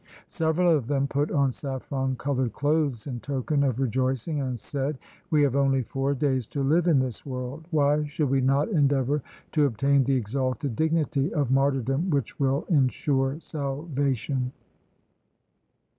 Several of them put on saffron coloured clothes in token of rejoicing, and said, ' We have only four days to live in this world. Why should we not endeavour to obtain the exalted dignity of martyrdom which will ensure salvation